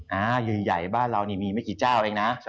ใหญ่บ้านเรานี่มีไม่กี่เจ้าเองนะ